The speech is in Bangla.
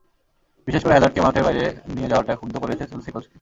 বিশেষ করে হ্যাজার্ডকে মাঠের বাইরে নিয়ে যাওয়াটা ক্ষুব্ধ করেছে চেলসি কোচকে।